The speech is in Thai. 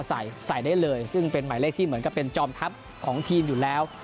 ใส่ใส่ได้เลยซึ่งเป็นหมายเลขที่เหมือนกับเป็นจอมทัพของทีมอยู่แล้ว